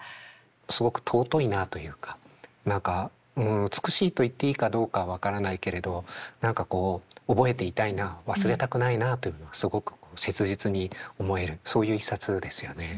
すごく尊いなあというか何かうん美しいといっていいかどうか分からないけれど何かこう覚えていたいなあ忘れたくないなあというのはすごく切実に思えるそういう一冊ですよね。